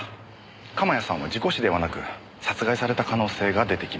鎌谷さんは事故死ではなく殺害された可能性が出てきました。